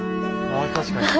あ確かに。